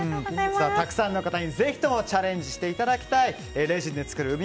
たくさんの方に、ぜひともチャレンジしていただきたいレジンで作る海